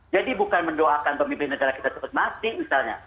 jadi bukan mendoakan pemimpin negara kita cepat mati misalnya